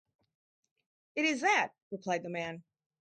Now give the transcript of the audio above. “It is that,” replied the man.